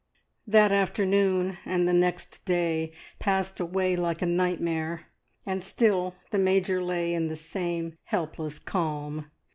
That afternoon and the next day passed away like a nightmare, and still the Major lay in the same helpless calm.